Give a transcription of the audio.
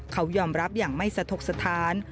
เขายอมรับอย่างไม่สะทกสถาน